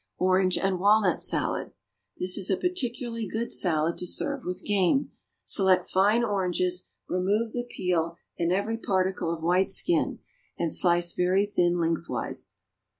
=Orange and Walnut Salad.= This is a particularly good salad to serve with game. Select fine oranges, remove the peel and every particle of white skin, and slice very thin lengthwise.